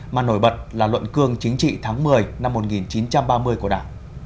mà nổi bật là luận cương chính trị tháng một mươi năm một nghìn chín trăm ba mươi của đảng